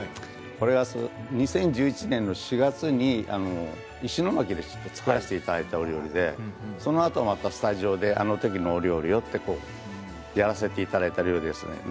これは２０１１年の４月に石巻で作らせていただいたお料理でそのあと、またスタジオであのときのお料理をとやらせていただいた料理です。